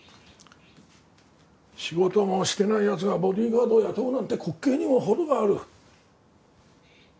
仕事もしてない奴がボディーガードを雇うなんて滑稽にも程がある。